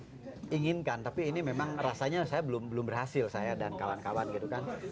saya inginkan tapi ini memang rasanya saya belum berhasil saya dan kawan kawan gitu kan